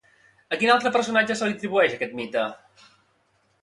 A quin altre personatge se li atribueix aquest mite?